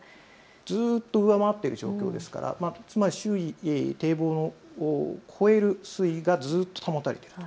ずっと上回っている状況ですからつまり堤防を越える水位がずっと続いている。